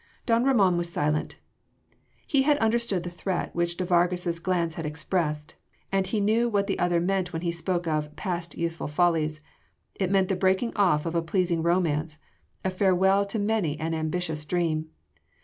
Don Ramon was silent. He had understood the threat which de Vargas’ glance had expressed, and he knew what the other meant when he spoke of "past youthful follies" it meant the breaking off of a pleasing romance, a farewell to many an ambitious dream.